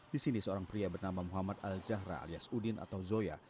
di sini seorang pria bernama muhammad al zahra alias udin atau zoya